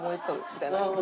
みたいな。